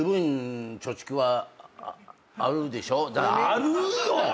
あるよ！